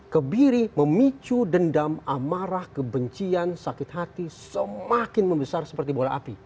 kebiri memicu dendam amarah kebencian sakit hati semakin membesar seperti bola api